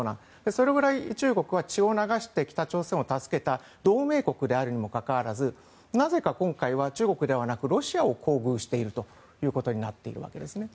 それぐらい中国は血を流して北朝鮮を助けた同盟国であるにもかかわらずなぜか今回は中国ではなくロシアを厚遇しているとなっているわけです。